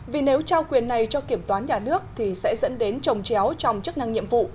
vì nếu trao quyền này cho kiểm toán nhà nước thì sẽ dẫn đến trồng chéo trong chức năng nhiệm vụ